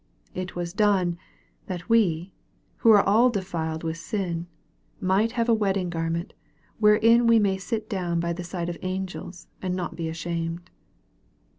It was done, that we, who are all defiled with sin, might have a wedding garment, wherein we may sit down by the side of angels, and not be ashamed.